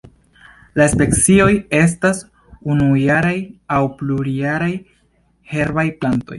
La specioj estas unujaraj aŭ plurjaraj herbaj plantoj.